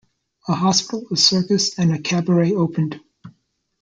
A hospital, a circus, and a cabaret opened.